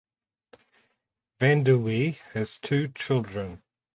Van der Wee has two children.